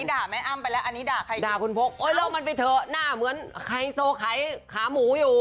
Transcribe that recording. เมื่อกี้ด่าแม่อ้ามไปแล้วอันนี้ด่าใครอีกด่าคุณพกเอ้ยลองมันไปเถอะหน้าเหมือนไขโซขายขาหมูอยู่